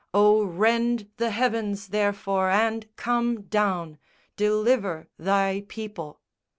O rend the heavens, therefore, and come down. Deliver Thy people!